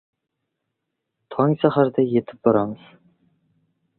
Tong saharda yetib boramiz.